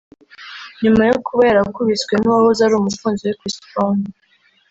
nyuma yo kuba yarakubiswe n’uwahoze ari umukunzi we Chris Brown